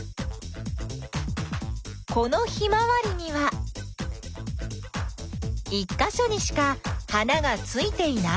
このヒマワリには１かしょにしか花がついていないように見える。